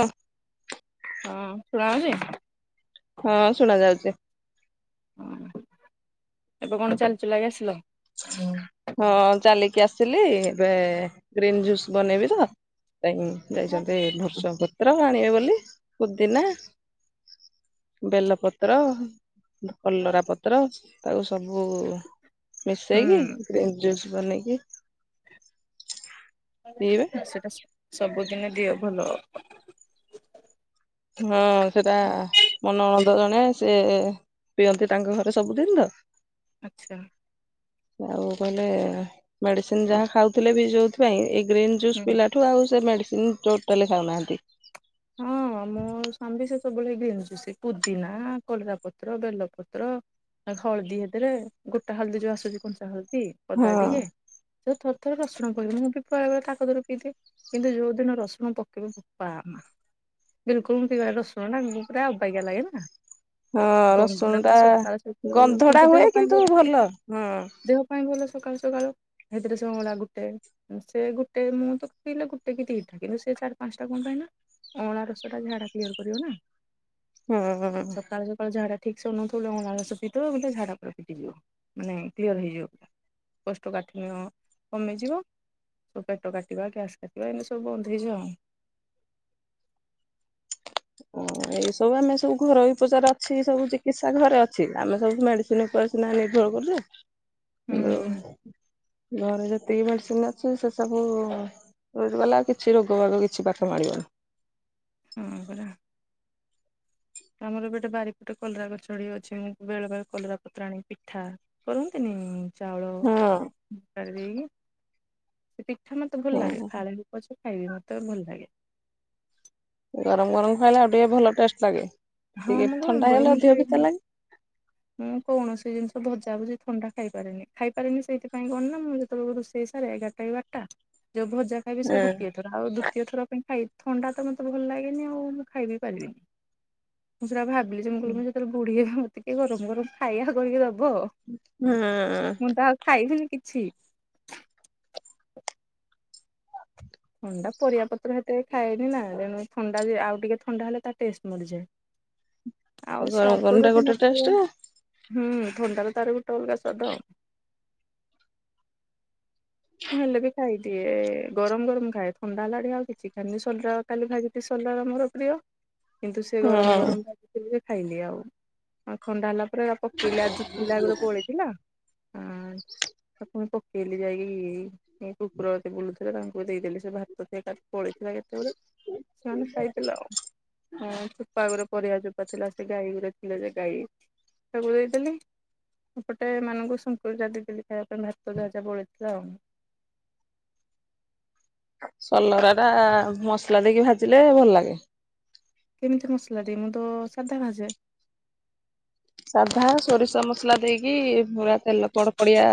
ଅଁ, ହଁ ଶୁଣା ହଉଚି? ହଁ, ଶୁଣା ଯାଉଚି। ଅଁ, ହଁ ଏବେ କଣ ଚାଲିଚି [unintelligible] ହଁ, ଚାଲିକି ଆସିଲି ଏବେ ଗ୍ରୀନ୍ ଜୁସ୍ ବନେଇବି ତ। ପାଇଁ ଯାଇଛନ୍ତି ଭୁଷଙ୍ଗ ପତ୍ର ଆଣିବେ ବୋଲି, ପୁଦିନା ବେଲ ପତ୍ର, କଲରା ପତ୍ର ତାକୁ ସବୁ ହୁଁ ମିଶେଇକି ଗୀନ୍ ଜୁସ୍ ବନେଇକି ପିଇବେ ସେଟା ସ-ସବୁଦିନେ ଦିଅ ଭଲ ହଁ, ସେଟା ମନ [inaudible] ତ ଜଣେ ସେ ପିଅନ୍ତି ତାଙ୍କ ଘରେ ସବୁଦିନ ତ। ଆଚ୍ଛା। ଆଉ କହିଲେ, ମେଡିସିନ୍ ଯାହା ଖାଉଥିଲେ ବି ଯୋଉଥି ପାଇଁ ଏଇ ଗ୍ରୀନ୍ ଜୁସ୍ ହୁଁ। ପିଇଲାଠୁ ଆଉ ସେ ମେଡ଼ିସିନ୍ ଟୋଟାଲି ଖାଉନାହାନ୍ତି। ହଁ ମୋ ସ୍ୱାମୀ ବି ସେ ସବୁବେଳେ ଏଇ ଗ୍ରୀନ୍ ଜୁସ୍ ସେ ପୁଦିନା, କଲରା ପତ୍ର, ବେଲ ପତ୍ର ଆଉ ହଳଦୀ ହେଥିରେ ଗୋଟା ହଳଦୀ ଯୋଉ ଆସୁଛି କଞ୍ଚା ହଳଦୀ, ଅଦା ହଁ ଟିକେ ସେ ଥର ଥରେ ରସୁଣ ପକେଇଦେମି, ମୁଁ ବି ତାଙ୍କ ଠାରୁ ପିଇଦିଏ। କିନ୍ତୁ ଯୋଉ ଦିନ ରସୁଣ ପକେଇବ ଵୁପା ମା। ବିଲକୁଲ ମୁଁ ପିଇପାରେ, ରସୁଣ ନା ଉଁ, ପୁରା ଅବାଗିଆ ଲାଗେ ନା। ହଁ ଗନ୍ଧ ରସୁଣ ଟା ପୁରା ସକାଳୁ ସକାଳୁ ଗନ୍ଧ ଟା କିନ୍ତୁ ହୁଏ ଦେହ ପାଇଁ ଭଲ। ହଁ। ଦେହ ପାଇଁ ଭଲ ସକାଳୁ ସକାଳୁ, ହେଇଥିରେ ସେ ଅଁଳା ଗୁଟେ। ଉଁ, ସେ ଗୁଟେ ମୁଁ ତ ପକେଇଲେ ଗୁଟେ କି ଦିଟା, କିନ୍ତୁ ସେ ଚାରି ପାନ୍ସଟା କଣ ପାଇଁ ନା ଅଁଳା ରସ ଟା ଝାଡା କ୍କ୍ଳିୟର୍ କରିବ ନା, ସକାଳୁ ସକାଳୁ ଝାଡା ଠିକ୍ ସେ ହଉ ନଥିଲେ ଅଁଳା ରସ ପିଇଦବ [unintelligible] ଝାଡା ପୁରା ଫିଟିଯିବ। ମାନେ କ୍ଲିୟର୍ ହେଇଯିବ ପୁରା। କୋଷ୍ଠକାଠିିନ୍ୟ କମିଯିବ। ତୋ ପେଟ କାଟିବା, ଗ୍ୟାସ୍ କାଟିବା ଏମିତି ସବୁ ବନ୍ଦ ହେଇଯା। ଅଁ, ଏଇ ସବୁ ଆମେ ସବୁ ଘରୋଇ ଉପଚାର ଅଛି, ସବୁ ଚିକିତ୍ସା ଘରେ ଅଛି। ଆମେ ସବୁ ମେଡିସି [unintelligible] ଘରେ ହୁଁ ଯେତିକି ମେଡିସିନ୍ ଅଛି ସେ ସବୁ ସେଉଠୁ ଗଲା ଆଉ କିଛି ରୋଗ ବାଗ କିଛି ପାଖ ମାଡ଼ିବନି। ହଁ ପରା। ଆମର ଗୋଟେ ବାରିପଟେ କଲରା ଗଛଟି ଅଛି, ମୁଁ ବେଳେ ବେଳେ କଲରା ପତ୍ର ଆଣି ପିଠା କରିନ୍ତିନି? ଚାଉଳ, ହଁ ବାଟି ଦେଇକି, ସେ ପିଠା ମୋତେ ଭଲ ଲାଗେ। ହଁ। ଫାଳେ [inaudible] ପଛକୁ ଖାଇବି ମତେ ଆଉ ଭଲ ଲାଗେ। ଗରମ ଗରମ ଖାଇଲେ ଆଉ ଟିକେ ଭଲ ଟେଷ୍ଟ ଲାଗେ ଟିକେ ଥଣ୍ଡା ହେଇଗଲେ ଅଧିକ ପିତା ଲାଗେ। ଅଡିଓ ରେ କୌଣସି ଶବ୍ଦ ଶୁଭୁନି, ମୁଁ କୌଣସି ଜିନିଷ ଭଜାଭଜି ଥଣ୍ଡା ଖାଇପାରେନି ଖାଇପାରେନି ସେଇଥିପାଇଁ କଣ ନା ମୁଁ ଯେତେବେଳକୁ ରୋଷେଇ ସାରେ ଏଗାର ଟା ରଟା ଯୋଉ ଭଜା ଖାଇବି ସେ ଗୁଟିଏ ଥର ଆଉ ଦୁତୀୟ ଥର ପାଇଁ ଖାଇବି ଥଣ୍ଡା ତ ମୋତେ ଭଲ ଲାଗେନି ଆଉ ମୁଁ ଖାଇବିପାରିବିନି। ମୁଁ ସେଟା ଭାବିଲି ଯେ ମୁଁ ହୁଁ କହିଲି ମୁଁ ଯେତେବେଳେ ବୁଢ଼ୀ ହେବି ମତେ କିଏ ଗରମ ଗରମ ଖାଇବା କରିକି ଦବ। ହାଁ। ଖାଇଥିଲି କିଛି। ଥଣ୍ଡା ପରିବାପତ୍ର ହେତେ ଖାଏନି ନା ତେଣୁ ଥଣ୍ଡା ଯେ ଆଉ ଟିକେ ଥଣ୍ଡା ହେଲେ ତା ଟେଷ୍ଟ ମରିଯାଏ। ଆଉ ଗରମ ଗରମ ସ୍ୱାଦ ଟା ଯଦି ଗୋଟେ ଟେଷ୍ଟ ନଥିବ ହୁଁ ଥଣ୍ଡାର ତାର ଗୋଟେ ଅଲଗା ସ୍ୱାଦ। ମୁଁ ହେଲେବି ଖାଇଦିଏ ଗରମ ଗରମ ଖାଏ ଥଣ୍ଡା ହେଲାଣି ଆଉ କିଛି ଖାଏନି [inaudible] କାଲି ଭାଜିଥି ସୋଲା ର ମୋର ପ୍ରିୟ। କିନ୍ତୁ ସେ ଗରମ ହଁ। ଗରମ ଭାତ ଖାଇଲି ଆଉ ଥଣ୍ଡା ହେଲା ପରେ ଆଉ ପକେଇଲି ଆଜି ଥିଲା ବେଳୁ ବଳିଥିଲା ଆ ତାକୁ ମୁଁ ପକେଇଲି ଯାଇକି ଏ କୁକୁର ଏତେ ବୁଲୁଥିଲେ ତାଙ୍କୁ ଦେଇଦେଲି ସେ ଭାତ ଯେଗାଟ ବଳି ଥିଲା ଯେତେବେଳେ ସେମାନେ ଖାଇଦେଲେ ଆଉ। ହଁ ଚୋପା ଗୁରା ପରିବା ଚୋପା ଥିଲା ସେ ଗାଈ ଗୁରେ ଥିଲେ ଯେ ଗାଈ ତାକୁ ଦେଇଦେଲି। ସେପଟେ ମାନଙ୍କୁ ସନ୍ତୁଳିଟା ଦେଇଥିଲି ଖାଇବା ପାଇଁ ଭାତ ଯାହା ଯାହା ବଳିଥିଲା ଆଉ। ସଲରାଟା ମସଲା ଦେଇକି ଭାଜିଲେ ଭଲ ଲାଗେ। କେମିତି ମସଲା ଦେଇ ମୁଁ ତ ସାଧା ଭାଜେ। ସାଧା ସୋରିଷ ମସଲା ଦେଇକି ପୂରା ତେଲ କଡ କଡିଆ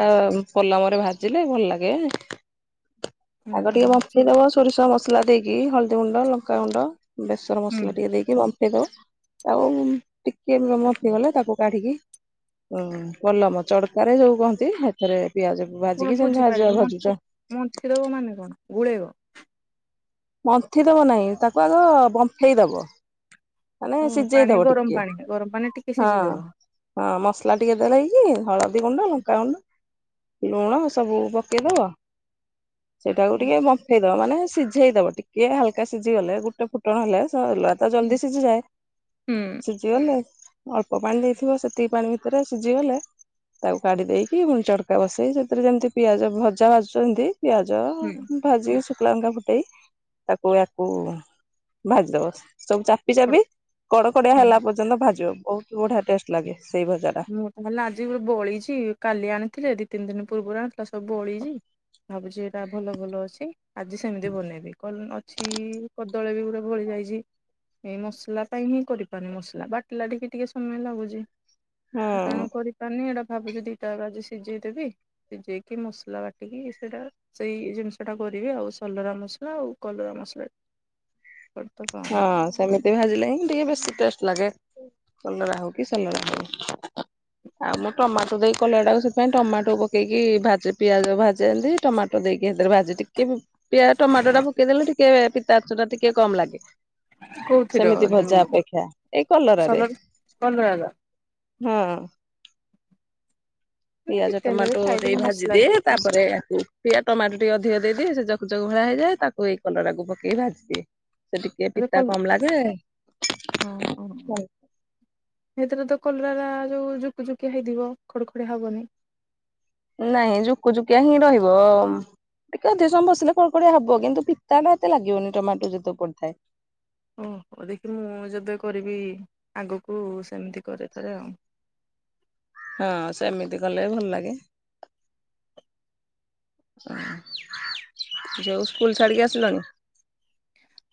ପଲମରେ ଭାଜ ଭାଜିଲେ ଭଲ ଲାଗେ। ହୁଁ ଆଗ ଟିକେ ବାମ୍ଫେଇ ହୁଁ। ଦବ ସୋରିଷ ମସଲା ଦେଇକି ହଳଦୀଗୁଣ୍ଡ ଲଙ୍କାଗୁଣ୍ଡ ବେଷର ହୁଁ ମସଲା ଟିକେ ଦେଇକି ବମ୍ଫେ ଇ ଦେବ ଆଉ ଟିକେ ମନ୍ଥି ଗଲେ ତାକୁ କାଢିକି ହୁଁ ପଲମ ଚଡକାରେ ଯୋଉ କହନ୍ତି ସେଥିରେ ପିଆଜକୁ କଣ ଭାଜିକି ଯେମି ବୁଝିପାରିଲି ଭାଯା ମନ୍ଥି ଭାଜୁଚ ମନ୍ଥି ଦବ ମାନେ କଣ ଗୁଳେଇବ। ମନ୍ଥି ଦବ ନାଇଁ ତାକୁ ଆଗ ବାମ୍ଫଇଦେବ। ମାନେ ଓହୋ ପାଣି ସିଝେଇଦବ ଗରମ ଟିକେ ପାଣି ଗରମ ପାଣି ଟିକେ ହଁ। ସିଝେଇଦବ। ହଁ ମସଲା ଟିକେ ଦେଲେଇକି ହଳଦୀ ଗୁଣ୍ଡ ଲଙ୍କାଗୁଣ୍ଡ ଲୁଣ ସବୁ ପକେଇଦବ ସେଇଟାକୁ ହୁଁ ଟିକେ ବମ୍ଫେଇ ଦବ ମାନେ ସିଜେ ଝେଇଦବ ଟିକେ ହାଲକା ସିଝି ଗଲେ ଗୋଟେ ଫୁଟଣ ହେଲେ ସଲଲା ତ ଜଲଦି ସିଝିଯାଏ ହୁଁ ସିଝିଗଲେ ଅଳ୍ପ ପାଣି ଦେଇଥିବ ସେତିକି ପାଣି ଭିତରେ ସିଝି ଗଲେ ତାକୁ କାଢି ଦେଇକି ପୁଣି ଚଡ଼କା ବସେଇ ସେଥିରେ ଯେମିତି ପିଆଜ ଭଜା ଭାଜୁଛନ୍ତି ପିଆଜ ହୁଁ। ଭାଜିିକି ଶୁଖିଲା ଲଙ୍କା ଫୁଟେଇ ତାକୁ ୟାକୁ ଭାଜିଦବ ସବୁ ଚା ପି ପଡୁ ଚାବି କଡକଡିଆ ହୁଁ ହେଲା ପର୍ଯ୍ୟନ୍ତ ଭାଜିବ ବହୁତ ବଢିଆ ଟେଷ୍ଟ ଲାଗେ ସେଇ ଭଜାଟା। ଆଜି ବଳିଛି କାଲି ଆଣିଥିଲେ ଦି ତିନି ଦିନ ପୂର୍ବରୁ ଆଣିଥିଲା ସବୁ ବଳିଛି ଭାବୁଚି ଏଇଟା ଭଲ ଭଲ ଅଛି ଆଜି ସେମିତି ବନେଇବି କଣ ଅ ଛି କଦଳୀ ବି ଗୂରେ ବଳି ଯାଇଛି। ଏଇ ମସଲା ପାଇଁ ହିଁ କରିପାରୁନି ମସଲା ବାଟିଲା ଟିକେ ଟିକେ ସମୟ ଲାଗୁଛି। ତେଣୁ ହଁ କରିପାରୁିନି ଏଇଟା ଭାବୁଛି ଦିଟା ଯାକ ସିଝେଇଦେବି ଶିଯେଇକି ମସଲା ବାଟିକି ସେଇଟା ସେଇ ଜିନିଷ ଟା କରିବି ଆଉ ସଲରା ମସଲା ଆଉ କଲରା ମସଲା ଟିକେ କରିଦେବା। ହଁ ସେମିତି ଭାଜିଲେ ହିଁ ଟିକେ ବେଶୀ ଟେଷ୍ଟ ଲାଗେ। କଲରା ହଉ କି ସଲରା ହଉ। ଆଉ ମୁଁ ଟମାଟୋ ଦେଇ କଲେ ଏଟାକୁ ସେପାଇ ଟମାଟୋ ପକେଇକି ଭାଜେ ପିଆଜ ଭାଜେ ଏମିତି ଟମାଟୋ ଦେଇକି ସେଥିରେ ଭାଜେ ଟିକେ ପିଆ ଟମାଟୋ ଟା ପକେଇଦେଲେ ଟିକେ ପିତା ଅଂଶ ଟା ଟିକେ କମ ଲାଗେ। କୋଉଥିର ସେମିତି ଭଜା ଯୋଉ ଅପେକ୍ଷା ଏଇ କଲରାରେ। ସଲରା କଲରାର ହଁ। ମାନେ ପିଆଜ କେତେ ହେଲେ ବି ଟମାଟୋ ଦେଇ ଖାଇଦେଲେ ମସଲା ଭାଜିଦିଏ ଦେଇକି ତାପରେ ଆକୁ ପିଆ ଟମାଟୋ ଟିକେ ଅଧିକ ଦେଇଦିଏ ସେ ଜକ ଜକ ଭଳିଆ ହେଇଯାଏ ତାକୁ ଏଇ କଲରାକୁ ପକେଇ ଭାଜି ଦିଏ ସେ ଟି ଟିକେ ଏବେ ପିତା କଲ କମ୍ ଲାଗେ। ଓହୋ ହୋ। ସେଥିରେ ତ କଲରା ର ଯୋଉ ଯୁକୁ ଜୁକିଆ ହେଇଥିବ ଖଡ ଖଡିଆ ହବନି। ନାଇଁ ଜୁକୁଜୁକିଆ ହିଁ ରହିବ ଉଁ ଟିକେ ଅଧିକ ସମୟ ବସିଲେ କଡ କଡିଆ ହବ କିନ୍ତୁ ପିତା ଟା ଏତେ ଲାଗିବନି ଟମାଟୋ ଯେତକ ପଡିଥାଏ। ଓ ହଉ ଦେଖି ମୁଁ ଯେବେ କରିବି ଆଗକୁ ସେମିତି କରେ ଥରେ ଆଉ। ହଁ ସେମିତି କଲେ ବି ଭଲ ଲାଗେ। ଓ ଝିଅକୁ ସ୍କୁଲ ଛାଡ଼ିକି ଆସିଲଣି?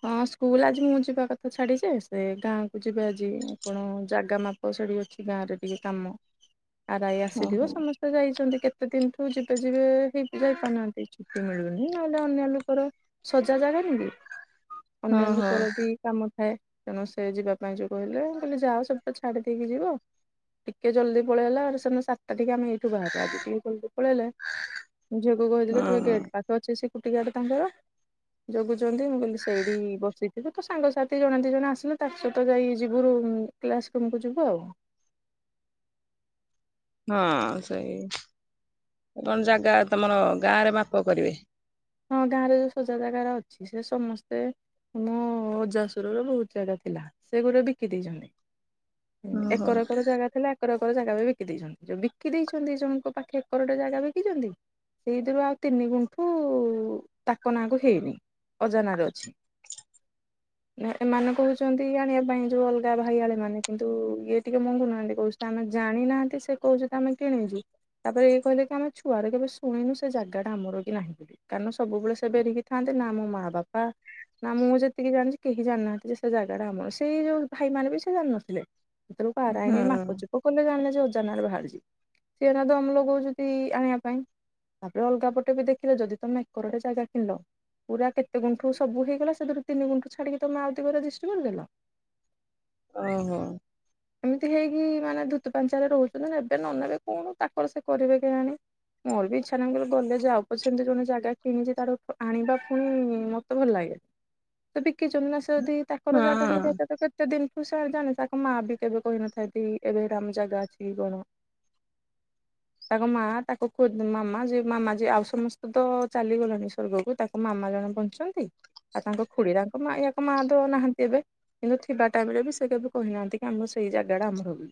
ହଁ ସ୍କୁଲ ଆଜି ମୁଁ ଯିବା କଥା ଛାଡି ଯେ ସେ ଗାଁକୁ ଯିବେ ଆଜି କଣ ଜାଗା ମା ଓ ସେଠିକି ଅଛି ଗାଁ ରେ ଟିକେ କାମ ଆର ଆଈ ଆସିଥିବ ଓହୋ। ସମସ ଯାଇଛନ୍ତି କେତେ ଦିନଠୁ ଯିବେ ଯିବେ ହେଇ ଯାଇପାରୁନାହାନ୍ତି। ଛୁଟି ମିଳୁନି ନହେଲେ ଅନ୍ୟ ଲୋକର ସଜା ଚାଳିନି କି। ଅନ୍ୟ ହଁ ହଁ ଲୋକର ବି କାମ ଥାଏ ତେଣୁ ସେ ଯିବା ପାଇଁ ଯୋଉ ମୁଁ କହିଲି ଯାଅ ସେଠୁ ତ ଛାଡି ଦେଇକି ଯିବ। ଟିକେ ଜଲଦି ପଳେଇଲା ଆଉ ସେ ଦିନ ସାତ ଟିକେ ଆମେ ଏଇଠୁ ବାହାରୁ ଆଜିି ଟିକେ ଜଲଦି ପଳେଇଲେ। ଝିଅକୁ କହିଥିଲେ ତୁ ଏଇ ହଁ ଗେଟ୍ ପାଖ ଅଛି ସିକ୍ୟୁରିଟି ଗାର୍ଡ ତାଙ୍କର ଯଗୁଛନ୍ତି ମୁଁ କହିଲି ସେଇଠି ବସିଥିବୁ ତୋ ସାଙ୍ଗସାଥି ଜଣେ ଦି ଜଣେ ଆସିଲେ ତାଙ୍କ ସହିତ ଯାଇ ଯିବୁ ରୁମ କ୍ଲାସ ରୁମକୁୁ ଯିବୁ ଆଉ। ହଁ ସେଇ କଣ ଜାଗା ତମର ଗାଁରେ ମାପ କରିବେ। ହଁ ଗାଁ ରେ ଯୋଉ ସଜା ଜାଗାର ଅଛି ସେ ସମସ୍ତେ ଆମ ଅଜାସୁର ର ବହୁତ ଜାଗା ଥିଲା ସେ ଗୋଟେ ବିକି ଦେଇଛନ୍ତି। ହୁଁ ଓହୋ। ଏକର ଏକର ଜାଗା ଥିଲା ଏକର ଏକର ଜାଗା ବି ବିକି ଦେଇଛନ୍ତି ଯୋଉ ବିକି ଦେଇଛନ୍ତି ଜଣଙ୍କ ପାଖେ ଏକରଟା ଜାଗା ବିକିଛନ୍ତି। ସେଇଥିରୁ ଆଉ ତିନି ଗୁଣ୍ଠୁ। ଉ ତାକ ନାଁକୁ ହେଇନି ଅଜା ନାରେ ଅଛି। ନା ଏମାନେ କହୁଛନ୍ତି ଆଣିବା ପାଇଁ ଯୋଉ ଅଲଗା ଭାଇ ହଳେ ମାନେ କିନ୍ତୁ ଇଏ ଟିକେ ମଙ୍ଗୁନାହାନ୍ତି କହୁ ତା ଆମେ ଜାଣିନାହାନ୍ତି ସେ କହୁଛ ତ ଆମେ କିଣିଛୁ। ତାପରେ ଇଏ କହିଲେ କି ଆମ ଛୁଆରୁ କେବେ ଶୁଣିନୁ ସେ ଜାଗା ଟା ଆମର କି ନାହିଁ ବୋଲି। କାରଣ ସବୁବେଳେ ସେ ବେରିକି ଥାନ୍ତେ ନା ମୋ ମା ବାପା ନା ମୁଁ ଯେତିକି ଜାଣିଛି କେହି ଜାଣିନାହାନ୍ତି ସେ ଜାଗାରା ଆମର ସେଇ ଯୋଉ ଭାଇମାନେ ବି ସେ ଜାଣିନଥିଲେ। ସେତବେଳକୁ ଆର ଆଈ ନି ହଁ ମାପ ଚୁପ କଲେ ଜାଣିଲେ ଅଜା ନା ରେ ବହାରିଚି। ସେ ଏଇନା ଦମ ଲଗଉଛନ୍ତି ଆଣିବା ପାଇଁ ତାପରେ ଅଲଗା ପଟେ ବି ଦେଖିଲେ ଯଦି ତମେ ଏକରଟା ଜାଗା କିଣିଲ। ପୁର କେତେ ଗୁଣ୍ଠୁ ସବୁ ହେଇଗଲା ସେଥିରୁ ତିନି ଗୁଣ୍ଠୁ ଛାଡିକି ତମେ ଆଉ ଦି ଗୁରା ରିଷ୍ଟ୍ରି କରି ଦେଲ। ଓହୋ। ଏମିତି ହେଇକି ମାନେ ଧୂତ ପାଞ୍ଚ ରେ ରହୁଛନ୍ତି ଏବେ ନ ନେବେ କଣ ତାଙ୍କର ସେ କରିବେ କେୟାଣି। ମୋର ବି ଇଚ୍ଛା ନାଇ ମୁଁ କହିଲି ଗଲେ ଯାଅ ପଛ ଏମିତି ଜଣେ ଜାଗା କିଣିଛି ତାଠୁ ଆଣିବା ପୁଣି ମତେ ଭଲ ଲାଗେ ତ ବିକିଚନ୍ତୀ ସେ ଯଦି ତାକର ହଁ ଜାଗା ହେଇଥାଏ ତ କେ କେତେ ଦିନଠୁ ସେ ଜାଣେ ତାଙ୍କ ମା ବି କେବେ କହିନଥାନ୍ତି ଏବେ ଆମ ଜାଗା ଅଛି କି କଣ। ତାଙ୍କ ମା ତାକୁ କୁହ ମାମା ଯେ ମାମା ଯେ ଆଉ ସମସ୍ତ ତ ଚାଲିଗଲାଣି ସ୍ଵର୍ଗକୁ ତାକୁ ମାମା ଜଣେ ବଞ୍ଚିଚନ୍ତି। ଆଉ ତାଙ୍କ ଖୁଡ଼ି ଏର ଆଙ୍କ ମା ଆକ ମା ତ ନାହାନ୍ତି ଏବେ। ମୁଁ ଥିବା ଟାଇମ୍ ରେ ବି ସେ କେବେ କହି ନାହାନ୍ତି କି ଆମର ସେଇ ଜାଗାଟା ଆମହର ବୋଲି।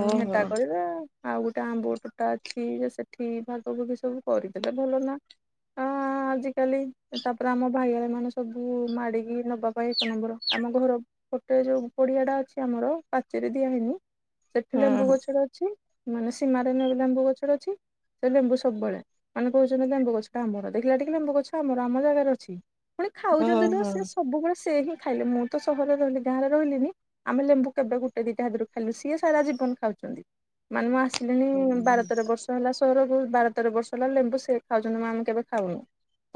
ଉୁଁ ଓହୋ ହେଟା କରିଲା ଆଉ ଆଉ ଗୋଟେ ଆମ୍ବ ତୋଟା ଅଛି ଯେ ସେଠି ଭଲ୍ [unintelligible] ସବୁ କରିଦେଲା ଭଲନା। ଆ ଆଜିକାଲି ତାପରେ ଆମ ଭାଇଆ ମାନେ ସବୁ ମାଡିକି ନବା ପାଇଁ ଏକ ନମ୍ବର। ଆମ ଘର ପଟେ ଯୋଉ ପଡିଆଟା ଅଛି ଆମର ପାଚେରୀ ଦିଆ ହେଇନି ସେଠି ଲେମ୍ବୁ ହଁ ଗଛ ଟେ ଅଛି। ମାନେ ସୀମାରେ ଲେମ୍ବୁ ଗଛଟେ ଅଛି। ସେ ଲେମ୍ବୁ ସବୁବେଳେ। ମାନେ କହୁଚ଼ନ୍ତି ଲେମ୍ବୁ ଗଛଟା ଆମର। ଦେଖିଲା ଟିକି ଲେମ୍ବୁ ଗଛ ଆମର। ଆମ ଜାଗାରେ ଅଛି। ପୁଣି ଖାଉଚ଼ନ୍ତି ତ ସିଏ ସବୁବେଳେ ସେ ହିଁ ଖାଇଲେ। ମୁଁ ତ ସହରରେ ରହିଲି ଗାଁରେ ରହିଲିିନି ଆମେ ଲେମ୍ବୁ କେବେ ଗୋଟେ ଦିଟା ହେଥୁରୁ ଖାଇଲୁ। ସିଏ ସାରା ଜୀବନ ଖାଉଚ଼ନ୍ତି। ମାନେ ମୁଁ ଓହୋ। ଆସିଲିଣି ବାର, ତେର ବର୍ଷ ହେଲା ତେର ଯୋଉ ବାର ତେର ବର୍ଷ ହେଲା ଲେମ୍ବୁ ସେ ଖାଉଚ଼ନ୍ତି ଆମେ କେବେ ଖାଉନୁ।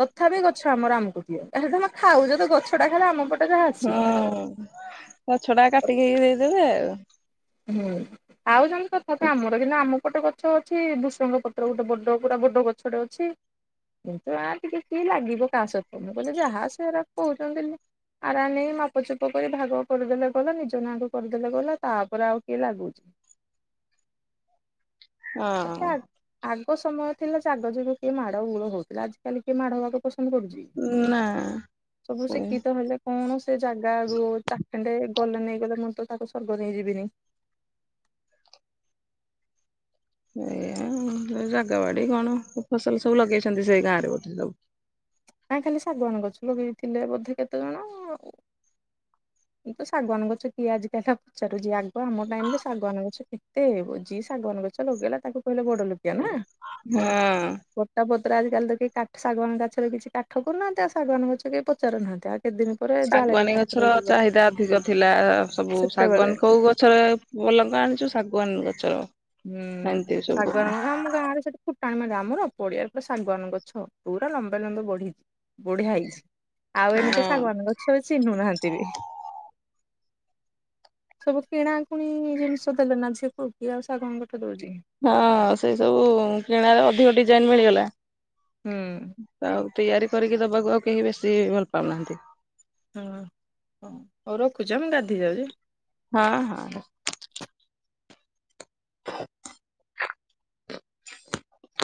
ତଥାପି ଗଛ ଆମର ଆମକୁ ଦିଅ। ଆରେ ତମେ ଖାଉଚ ତ ଗଛଟା ଖାଲି ଆମ ପଟ ହୁଁ ଗଛ ଟା କାଟିକିି ଦେଇଦେବେ [unintelligible] ଆମର କିନ୍ତୁ ଆମୁକୁ ଗୋଟେ ଗଛ ଅଛି ଭୃଷଙ୍ଗ ପତ୍ର ଗୋଟେ ବଡ ପୁରା ବଡ଼ ଗଛଟେ ଅଛି। କିନ୍ତୁ ଆ ଟିକେ କିଏ ଲାଗିବ କାହା ସହିତ ମୁଁ କହିଲି ଯାହା ସେରା କହୁଚ଼ନ୍ତି ଆରା ନେଇ ମାପଚୁପ କରି ଭାଗ କରିଦେଲେ ଗଲା ନିଜ ନାଁ କୁ କରିଦେଲେ ଗଲା ତା ପରେ ଆଉ କିଏ ଲାଗୁଚ଼ି। ଆଉ [unintelligible] ଆଗ ସମୟ ଥିଲା ସେ ଆଗ ଯୁଗ କିଏ ମାଡ ଗୋଳ ହଉଥିଲା। ଆଜିିକାଲି କିଏ ମାଡ ହବାକୁ ପସନ୍ଦ କରୁଚ଼ି? ନାଁ। ସେୟା। ହେଲେ କଣ ସେ ଜାଗା ରୁ ଚାଖେଣ୍ଡେ ଗଲେ ନେଇଗଲେ ମୁଁ ତ ତାକୁ ସ୍ୱର୍ଗ ନେଇଯିବିନି। ଏ ଏ ଜାଗା ବାଡି କଣ ଫସଲ ସବୁ ଲଗେଇଛନ୍ତି ସେ ଗାଁ ରେ ବୋଧେ ସବୁ। ନା ଖାଲି ଶାଗୁଆନ୍ ଗଛ ଲଗେଇ ଥିଲେ ବୋଧେ କେତେ ଜଣ। ଏ ତ ଶାଗୁଆନ୍ ଗଛ କିଏ ଆଜିକାଲି ଆଉ ପଚାରୁଚି। ଯିଏ ଆଗୁଆ ମୋ ଟାଇମ୍ ରେ ଶାଗୁଆନ୍ ଗଛ କେତେ ହେବ ଯିଏ ଶାଗୁଆନ୍ ଗଛ ଲଗେଇଲା ତାକୁ କହିଲେ ବଡ ଲୋକିଆ ନା। ହୁଁ। ପଟା ପତ୍ର ଆଜି କାଲି ତ କେହି କାଠ ଶାଗୁଆନ୍ କାଠ ରେ କିଛି କାଠ କରୁନାହାନ୍ତି ଆଉ ଶାଗୁଆନ ଗଛ କେହି ପଚାରୁନାହାନ୍ତି। ଆଉ କେତେଦିନି ଶାଗୁଆନୀ ଗଛର ଚାହିଦା ଅଧିକ ଥିଲା ସବୁ ସେତେବେଳେ ଶାଗୁଆନ୍ କୋଉ ଗଛରେ [unintelligible] ଆଣିଚୁ ଶାଗୁଆନ୍ ଗଛ। ହୁଁ। ଶାଗୁଆନ୍ ଗୁରା ଆମ ଗାଁରେ ସେଠି ଫୁଟାଣି ମାରିବେ। ଆମର ପଡିଆରେ ପୁରା ଶାଗୁଆାନ ଗଛ ପୁରା ଲମ୍ବେ ଲମ୍ଵେ ବଢି ବଢିଆ ହେଇଚ଼ି। ଆଉ ହଁ ଏଇନିକା ଶାଗୁଆନ୍ ଗଛ ଚିହ୍ନୁ ନାହାନ୍ତି ବି। ସବୁ କିଣାକୁଣି ଜିନିଷ ଦେଲେ ନା ଝିଅ କୁ କିଏ ଆଉ ଶାଗୁଆନ୍ କାଠ ଦଉଚ଼ି କି। ହଁ, ସେଇ ସବୁ କିଣାରେ ଅଧିକ ଡିଜାଇନ୍ ମିଳିଗଲା। ହୁଁ ଆଉ ତିଆରି କରିକି ଦବାକୁ ଆଉ କେହି ବେଶୀ ଭଲପାଉ ନାହାନ୍ତି। ହୁଁ। ହଉ ରଖୁଚି ଆ ମୁଁ ଗାଧେଇ ଯାଉଚ଼ି। ହଁ ହଁ। [inaudible]